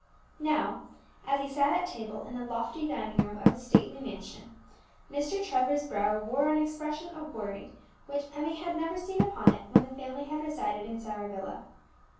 Now as he sat at table in the lofty dining room of his stately mansion, Mr. Trevor's brow wore an expression of worry which Emmie had never seen upon it when the family had resided in Summer Villa.